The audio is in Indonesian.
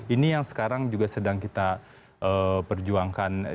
ini yang sekarang juga sedang kita perjuangkan